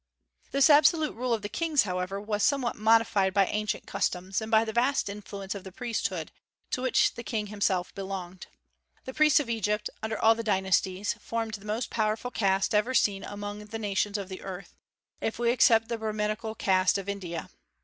This absolute rule of the kings, however, was somewhat modified by ancient customs, and by the vast influence of the priesthood, to which the King himself belonged. The priests of Egypt, under all the dynasties, formed the most powerful caste ever seen among the nations of the earth, if we except the Brahmanical caste of India.